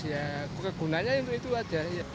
ya kegunaannya untuk itu ada